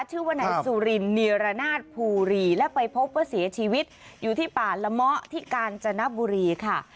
ชื่อวันนายสุรินนิรนาสภุลีและไปพบของเสยชีวิตอยู่ที่ปรหละมะที่กาญจนบุรีค่ะ